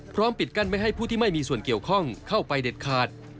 ปิดกั้นไม่ให้ผู้ที่ไม่มีส่วนเกี่ยวข้องเข้าไปเด็ดขาด